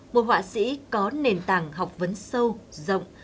một họa sĩ có nền tảng học vấn sâu rộng